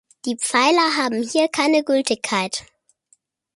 Die Pfeiler haben hier keine Gültigkeit.